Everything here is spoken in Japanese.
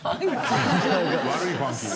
悪いファンキー。